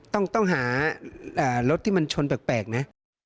ต้องหารถที่มันชนแปลกนะ